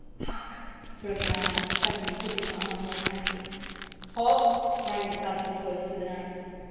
"Hark!" broke in Armand, suddenly gripping her arm more tightly. "Halt!" rang the sergeant's voice through the night.